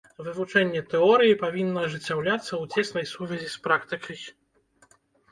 Вывучэнне тэорыі павінна ажыццяўляцца ў цеснай сувязі з практыкай.